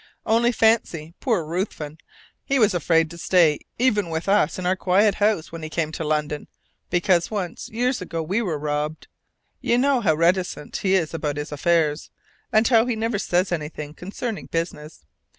Only fancy, poor Ruthven! He was afraid to stay even with us in our quiet house, when he came to London, because once, years ago, we were robbed! You know how reticent he is about his affairs, and how he never says anything concerning business.